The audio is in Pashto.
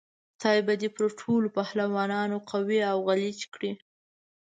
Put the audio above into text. خدای به دې پر ټولو پهلوانانو قوي او غلیچ کړي.